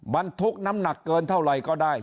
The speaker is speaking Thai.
บรรทุกน้ำหนักเกินเท่าไหร่ก็ได้